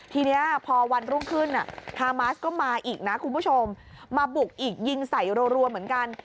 ทีนี้พอวันรุ่งขึ้นฮามาสก็มาอีกนะคุณผู้ชมมาบุกอีกยิงใส่รัวเหมือนกัน